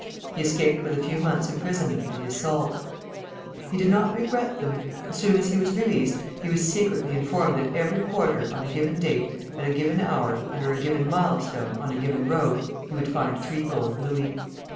He escaped with a few months' imprisonment for the assault. He did not regret them. As soon as he was released, he was secretly informed that, every quarter, on a given date, at a given hour, under a given milestone on a given road, he would find three gold louis.